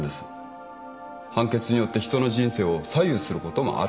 判決によって人の人生を左右することもある。